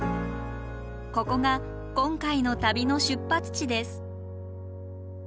ここが今回の旅の出発地です。